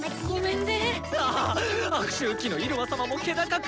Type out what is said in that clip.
悪周期の入間様も気高く！